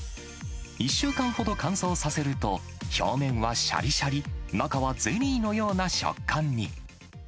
１週間ほど乾燥させると、表面はしゃりしゃり、中はゼリーのような食感に。